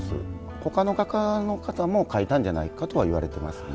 ほかの画家の方も描いたんじゃないかとは言われていますね。